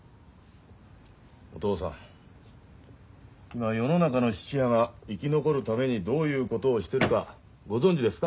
お父さん今世の中の質屋が生き残るためにどういうことをしてるかご存じですか？